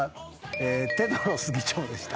テドロス議長でした？